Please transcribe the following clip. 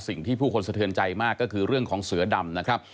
สิ่งที่ผู้คนสะเทือนใจมากก็คือเรื่องของเสือดำนะครับ